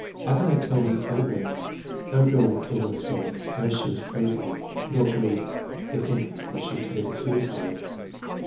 "How can they tell who killed her?" "No girl would kill herself unless she was crazy." "It ought to read: 'They think that she committed suicide.'"